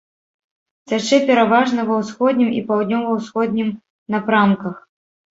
Цячэ пераважна ва ўсходнім і паўднёва-ўсходнім напрамках.